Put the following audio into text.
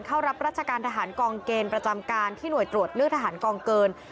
เข้ารับราชการทหารกองเกณฑ์ประจำการที่หน่วยตรวจเลือกทหารกองเกิน